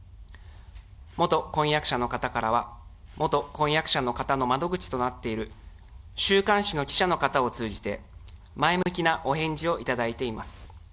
元婚約者の方からは、元婚約者の方の窓口となっている週刊誌の記者の方を通じて、前向きなお返事を頂いています。